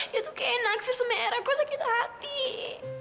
dia tuh kayak naksir sama era kok sakit hati